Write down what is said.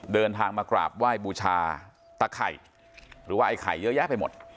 เดินทางมากราบไหว้บูชาตะไข่หรือว่าไอ้ไข่เยอะแยะไปหมด